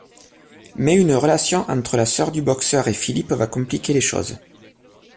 Mais une relation entre la sœur du boxeur et Philippe va compliquer les choses.